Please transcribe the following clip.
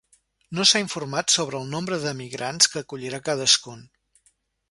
No s’ha informat sobre el nombre de migrants que acollirà cadascun.